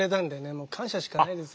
もう感謝しかないですよ。